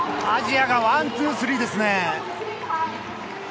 アジアがワンツースリーですね。